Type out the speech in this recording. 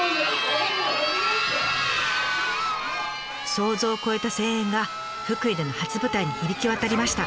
想像を超えた声援が福井での初舞台に響き渡りました。